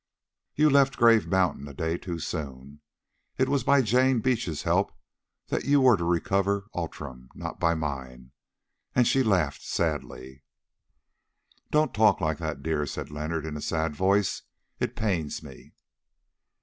You left Grave Mountain a day too soon. It was by Jane Beach's help that you were to recover Outram, not by mine," and she laughed sadly. "Don't talk like that, dear," said Leonard in a sad voice; "it pains me."